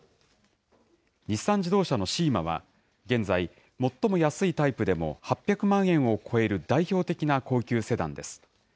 日産自動車のシーマは、現在、最も安いタイプでも８００万円を超える代表的な高級セダンです。